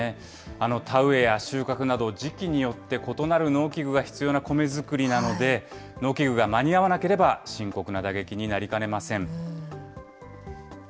田植えや収穫など、時期によって異なる農機具が必要なコメ作りなので、農機具が間に合わなければ深刻な打撃になりかねません。